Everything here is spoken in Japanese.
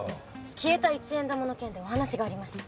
消えた一円玉の件でお話がありまして。